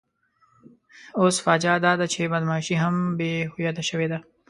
اوس فاجعه داده چې بدماشي هم بې هویته شوې ده.